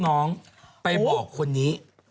ไม่ใช่